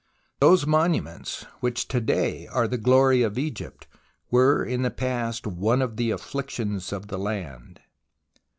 Those monuments which to day are the glory of Egypt, were in the past one of the afflictions of the land.